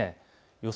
予想